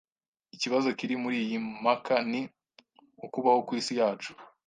Ikibazo kiri muriyi mpaka ni ukubaho kwisi yacu.